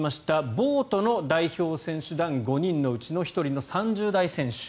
ボートの代表選手団５人のうちの１人の３０代選手。